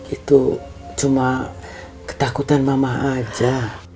itu cuma ketakutan mama aja